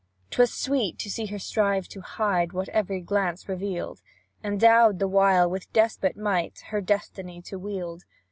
"'Twas sweet to see her strive to hide What every glance revealed; Endowed, the while, with despot might Her destiny to wield.